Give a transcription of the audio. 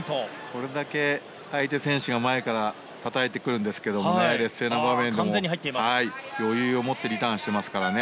これだけ相手選手が前からたたいてくるんですけど劣勢な場面でも、余裕を持ってリターンしてますからね